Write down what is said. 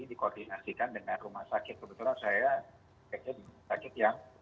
dikoordinasikan dengan rumah sakit